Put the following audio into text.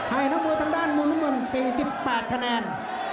ให้นักมวยทางด้านมุมน้ำเงิน๔๘คะแนน